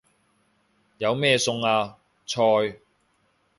有咩餸啊？菜